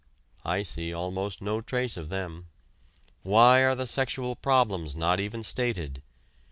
I see almost no trace of them. Why are the sexual problems not even stated?